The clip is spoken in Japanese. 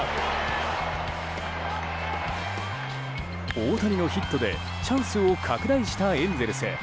大谷のヒットでチャンスを拡大したエンゼルス。